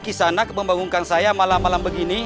di sana kebanggungan saya malam malam begini